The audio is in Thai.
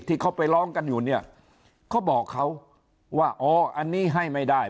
ที่เขาไปร้องกันอยู่เนี่ยเขาบอกเขาว่าอ๋ออันนี้ให้ไม่ได้